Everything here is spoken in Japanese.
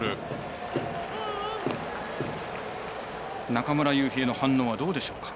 中村悠平の反応はどうでしょうか？